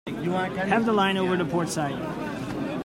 Heave the line over the port side.